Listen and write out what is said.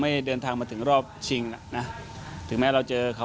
กุญสือทีมชาติไทยเปิดเผยว่าน่าจะไม่มีปัญหาสำหรับเกมในนัดชนะเลิศครับ